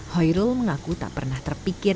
hoyrul mengaku tak pernah terpikir